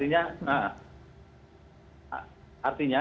ya betul artinya